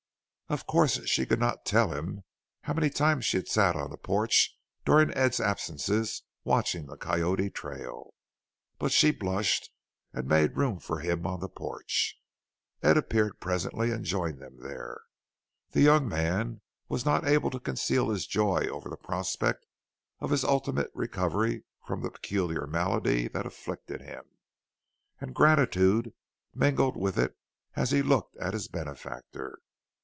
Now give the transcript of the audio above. Of course she could not tell him how many times she had sat on the porch during Ed's absences watching the Coyote trail. But she blushed and made room for him on the porch. Ed appeared presently and joined them there. The young man was not able to conceal his joy over the prospect of his ultimate recovery from the peculiar malady that afflicted him, and gratitude mingled with it as he looked at his benefactor.